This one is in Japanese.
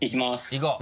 いこう！